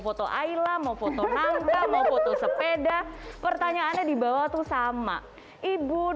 foto aila mau foto angka mau foto sepeda pertanyaannya dibawah tuh sama ibu dua ribu dua puluh empat